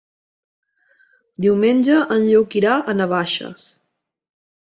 Diumenge en Lluc irà a Navaixes.